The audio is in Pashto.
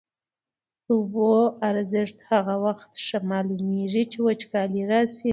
د اوبو ارزښت هغه وخت ښه معلومېږي چي وچکالي راسي.